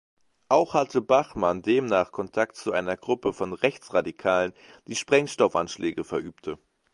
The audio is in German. Auch hatte Bachmann demnach Kontakt zu einer Gruppe von Rechtsradikalen, die Sprengstoffanschläge verübte.